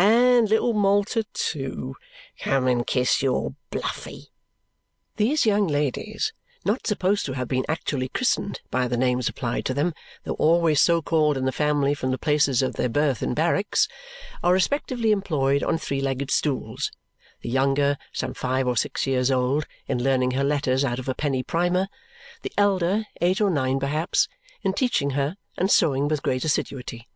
"And little Malta, too! Come and kiss your Bluffy!" These young ladies not supposed to have been actually christened by the names applied to them, though always so called in the family from the places of their birth in barracks are respectively employed on three legged stools, the younger (some five or six years old) in learning her letters out of a penny primer, the elder (eight or nine perhaps) in teaching her and sewing with great assiduity.